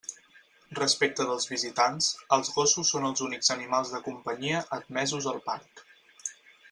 Respecte dels visitants, els gossos són els únics animals de companyia admesos al parc.